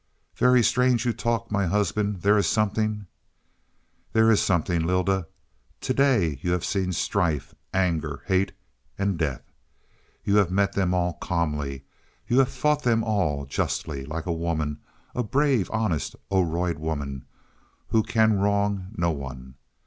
"Very strange you talk, my husband. There is something " "There is something, Lylda. To day you have seen strife, anger, hate and and death. You have met them all calmly; you have fought them all justly, like a woman a brave, honest Oroid woman, who can wrong no one.